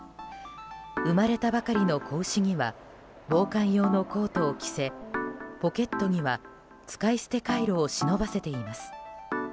生まれたばかりの子牛には防寒用のコートを着せポケットには使い捨てカイロを忍ばせています。